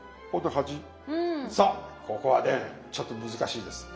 さあここはねちょっと難しいです。